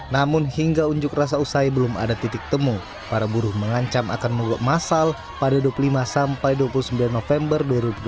namun hingga unjuk rasa usai belum ada titik temu para buruh mengancam akan menguap masal pada dua puluh lima sampai dua puluh sembilan november dua ribu dua puluh